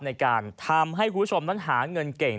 ในการทำให้คุณผู้ชมนั้นหาเงินเก่ง